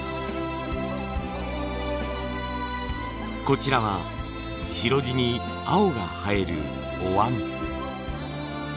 こちらは白地に青が映えるおわん。